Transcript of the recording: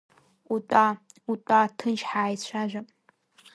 Утәа, утәа, ҭынч ҳааицәажәап…